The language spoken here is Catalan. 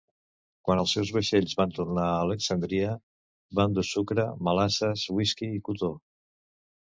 Quan els seus vaixells van tornar a Alexandria, van dur sucre, melasses, whisky i cotó.